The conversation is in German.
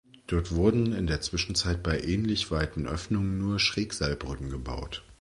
Dort wurden in der Zwischenzeit bei ähnlich weiten Öffnungen nur Schrägseilbrücken gebaut.